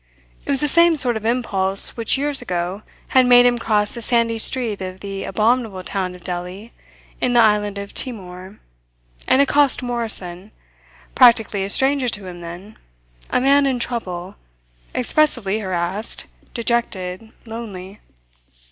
It was the same sort of impulse which years ago had made him cross the sandy street of the abominable town of Delli in the island of Timor and accost Morrison, practically a stranger to him then, a man in trouble, expressively harassed, dejected, lonely.